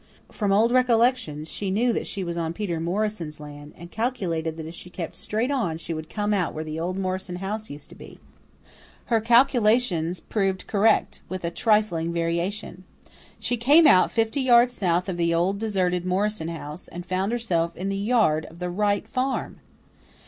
From old recollections, she knew that she was on Peter Morrison's land, and calculated that if she kept straight on she would come out where the old Morrison house used to be. Her calculations proved correct, with a trifling variation. She came out fifty yards south of the old deserted Morrison house, and found herself in the yard of the Wright farm!